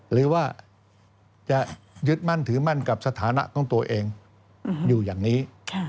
หรือว่าจะยึดมั่นถือมั่นกับสถานะของตัวเองอยู่อย่างนี้